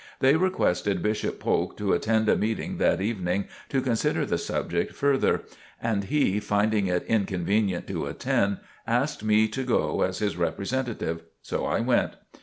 They requested Bishop Polk to attend a meeting that evening to consider the subject further, and he finding it inconvenient to attend, asked me to go as his representative. So I went.